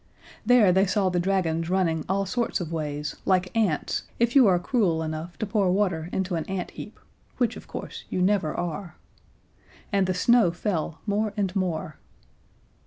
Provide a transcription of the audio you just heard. There they saw the dragons running all sorts of ways like ants if you are cruel enough to pour water into an ant heap, which, of course, you never are. And the snow fell more and more.